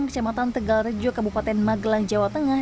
kecamatan tegal rejo kabupaten magelang jawa tengah